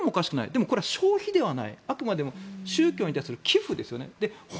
でもこれは消費ではないあくまでも宗教に対する寄付ですよね。